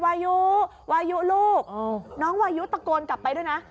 วายุวายุลูกน้องวายุตะโกนกลับไปด้วยนะ